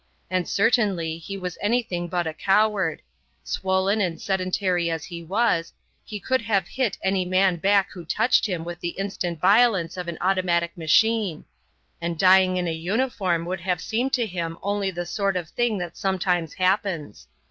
And certainly he was anything but a coward: swollen and sedentary as he was, he could have hit any man back who touched him with the instant violence of an automatic machine; and dying in a uniform would have seemed to him only the sort of thing that sometimes happens.